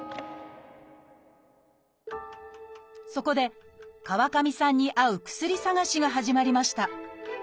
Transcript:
そこで川上さんに合う薬探しが始まりました。